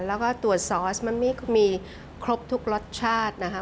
แล้วก็ตัวซอสมันมีครบทุกรสชาตินะคะ